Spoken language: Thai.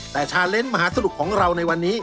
แต่ชาเล้นมหาสนุกของเราในวันนี้